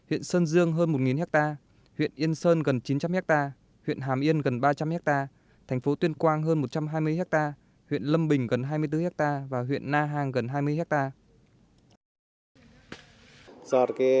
huyện sơn dương hơn một hectare huyện yên sơn gần chín trăm linh hectare huyện hàm yên gần ba trăm linh hectare thành phố tuyên quang hơn một trăm hai mươi hectare huyện lâm bình gần hai mươi bốn hectare và huyện na hàng gần hai mươi hectare